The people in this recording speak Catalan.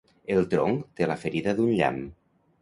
El tronc té la ferida d'un llamp.